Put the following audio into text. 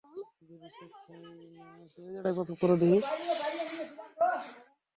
যদি স্বেচ্ছায় না এসে থাকি?